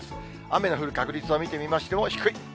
雨の降る確率を見てみましても低い。